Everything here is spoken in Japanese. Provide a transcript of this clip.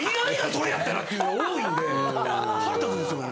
それやったらっていうの多いんで腹立つんです。